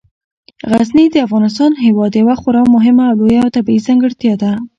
غزني د افغانستان هیواد یوه خورا مهمه او لویه طبیعي ځانګړتیا ده.